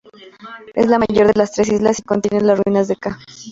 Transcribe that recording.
Es la mayor de las tres islas y contiene las ruinas de ca.